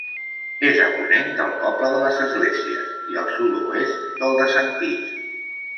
És a ponent del poble de les Esglésies i al sud-oest del de Sentís.